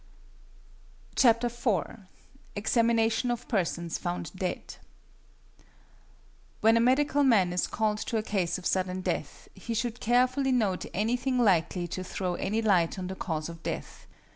IV. EXAMINATION OF PERSONS FOUND DEAD When a medical man is called to a case of sudden death, he should carefully note anything likely to throw any light on the cause of death.